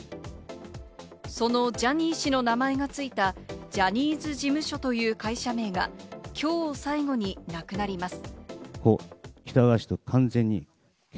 そのジャニー氏の名前が付いたジャニーズ事務所という会社名が、きょうを最後になくなります。